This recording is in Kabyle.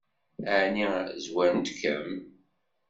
Ɛni zwarent-kem?